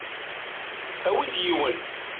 Awi-d yiwen.